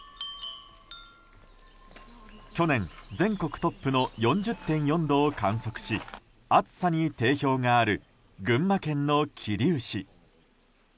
去年全国トップの４０．４度を観測し暑さに定評がある群馬県の桐生市。